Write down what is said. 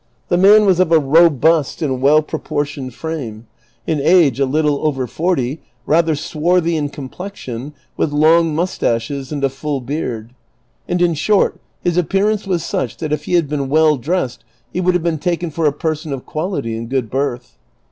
The man was of a rol)ust and well proportioned frame, in age a little over forty, rather swarthy in comjdexion, with long mustaches and a full beai'd, and, in short, his appearance was such that if he had been well dressed he would have been taken for a person of quality and good birth.